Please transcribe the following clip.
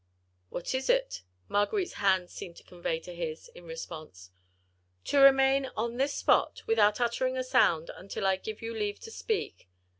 "What is it?" Marguerite's hand seemed to convey to his, in response. "To remain—on this spot, without uttering a sound, until I give you leave to speak.